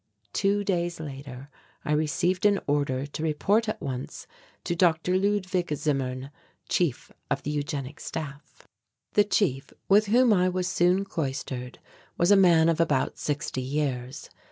Two days later I received an order to report at once to Dr. Ludwig Zimmern, Chief of the Eugenic Staff. The Chief, with whom I was soon cloistered, was a man of about sixty years.